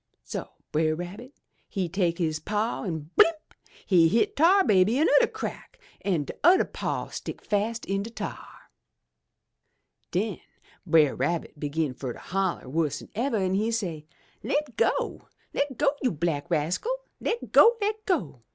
So Brer Rabbit he take his paw an' blimp! he hit Tar Baby anudder crack an' t'udder paw stick fast in de tar! "Den Brer Rabbit begin fur to holler wuss'n ever, an' he say, *Le' go! Le' go, you black rascal! Le' go! Le' go!